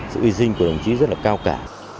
sự hy sinh của đồng chí rất là cao cả